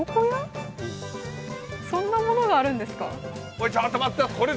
そんなものがあるんですか？